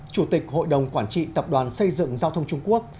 chủ tịch hội đồng quản trị tập đoàn xây dựng giao thông trung quốc